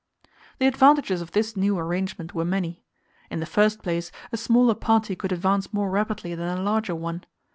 The advantages of this new arrangement were many. In the first place, a smaller party could advance more rapidly than a larger one.